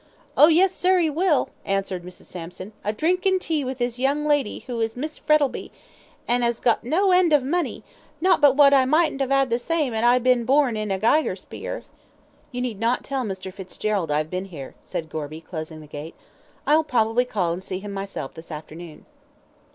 "Oh, yes, sir, 'e will," answered Mrs. Sampson, "a drinkin' tea with his young lady, who is Miss Frettlby, and 'as got no end of money, not but what I mightn't 'ave 'ad the same 'ad I been born in a 'igher spear." "You need not tell Mr. Fitzgerald I have been here," said Gorby, closing the gate; "I'll probably call and see him myself this afternoon."